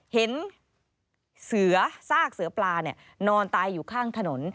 เห็นเสือซากเสือปลานอนตายอยู่ข้างถนน